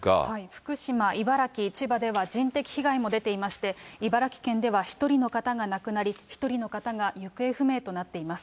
福島、茨城、千葉では人的被害も出ていまして、茨城県では１人の方が亡くなり、１人の方が行方不明となっています。